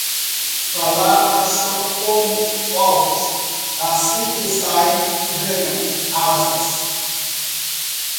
Palavras são como ovos: assim que saem, ganham asas.